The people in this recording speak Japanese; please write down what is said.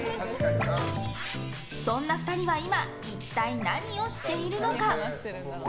そんな２人は今一体何をしているのか。